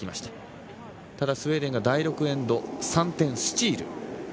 ただ、スウェーデンが第６エンド、３点スチール。